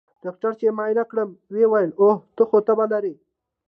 ډاکتر چې معاينه کړم ويې ويل اوهو ته خو تبه لرې.